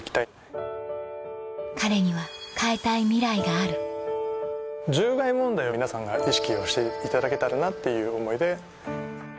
彼には変えたいミライがある獣害問題を皆さんが意識をしていただけたらなっていう思いで。